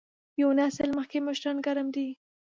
یو نسل مخکې مشران ګرم دي.